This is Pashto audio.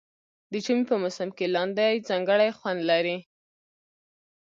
د ژمي په موسم کې لاندی ځانګړی خوند لري.